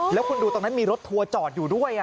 แล้วคุณดูตรงนั้นมีรถทัวร์จอดอยู่ด้วย